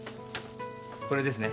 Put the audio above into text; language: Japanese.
これですね？